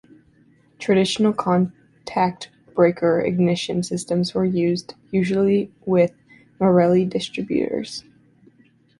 Traditional contact breaker ignition systems were used, usually with Marelli distributors.